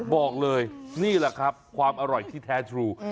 บอกเลยนี่แหละครับความอร่อยที่แท้ทรู